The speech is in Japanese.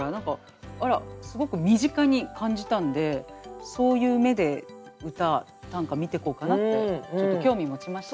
すごく身近に感じたんでそういう目で短歌見てこうかなってちょっと興味持ちました。